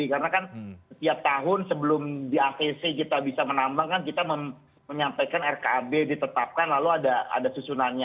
karena kan setiap tahun sebelum di aspe kita bisa menambang kan kita menyampaikan rkab ditetapkan lalu ada susunannya